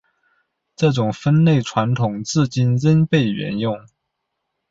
这种分类传统至今仍被沿用。